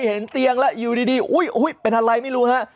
เห็นเตียงแล้วอยู่ดีอุ้ยเป็นอะไรไม่รู้ฮะ